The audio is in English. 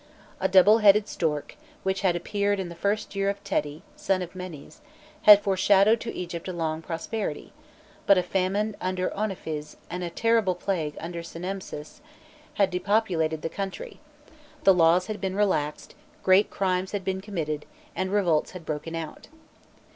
A double headed stork, which had appeared in the first year of Teti, son of Menés, had foreshadowed to Egypt a long prosperity, but a famine under Ouenephes, and a terrible plague under Semempses, had depopulated the country: the laws had been relaxed, great crimes had been committed, and revolts had broken out.